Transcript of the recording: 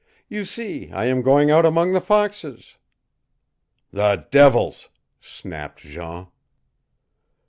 "You see I am going out among the foxes." "The devils!" snapped Jean.